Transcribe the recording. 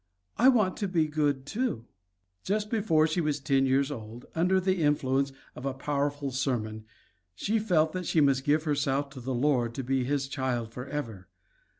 I want to be good, too." Just before she was ten years old, under the influence of a powerful sermon, she felt that she must give herself to the Lord to be his child forever.